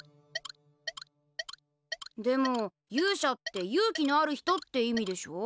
でも勇者って「勇気のある人」って意味でしょう？